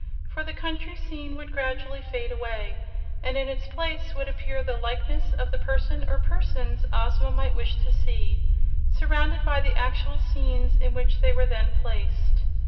For the country scene would gradually fade away and in its place would appear the likeness of the person or persons Ozma might wish to see, surrounded by the actual scenes in which they were then placed.